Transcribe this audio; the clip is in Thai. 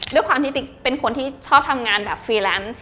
ด้วยความที่ติ๊กเป็นคนที่ชอบทำงานแบบฟรีแลนซ์